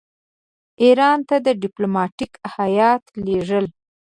ایران ته ډیپلوماټیک هیات لېږل.